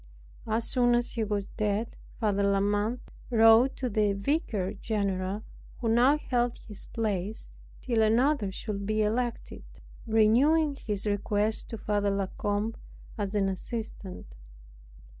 As soon as he was dead, Father La Mothe wrote to the Vicar general who now held his place till another should be elected renewing his request to have Father La Combe as an assistant.